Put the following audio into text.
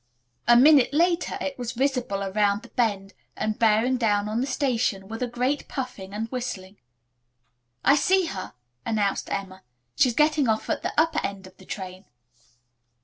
A minute later it was visible around the bend and bearing down on the station with a great puffing and whistling. "I see her," announced Emma. "She's getting off at the upper end of the train."